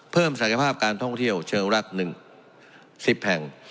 ศักยภาพการท่องเที่ยวเชิงรัก๑๑๐แห่ง